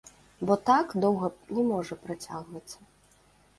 Бо так доўга не можа працягвацца.